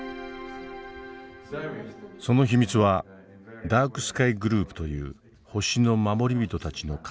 その秘密はダークスカイグループという星の守り人たちの活動にある。